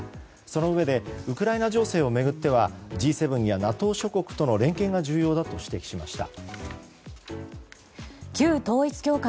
そのうえでウクライナ情勢を巡ってはＧ７やＮＡＴＯ諸国との連携が重要だと指摘しました。